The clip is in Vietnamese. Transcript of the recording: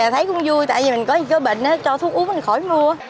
thấy cũng vui tại vì mình có chữa bệnh cho thuốc uống mình khỏi mua